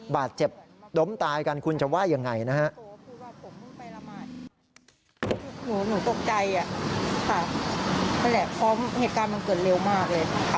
บาดเจ็บล้มตายกันคุณจะว่ายังไงนะฮะ